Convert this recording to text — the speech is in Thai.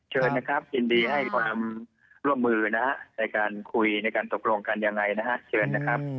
เชิญนะครับยินดีให้ความร่วมมือนะฮะในการคุยในการตกลงกันยังไงนะฮะเชิญนะครับ